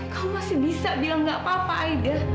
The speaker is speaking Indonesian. kamu masih bisa bilang nggak apa apa aida